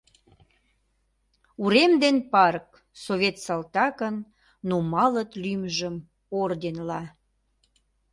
Урем ден парк совет салтакын нумалыт лӱмжым орденла.